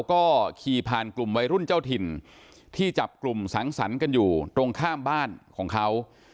ก็ขี่ผ่านกลุ่มวัยรุ่นเจ้าถิ่นที่จับกลุ่มสังสรรค์กันอยู่ตรงข้ามบ้านของเขา